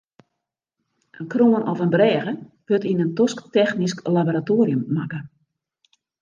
In kroan of in brêge wurdt yn in tosktechnysk laboratoarium makke.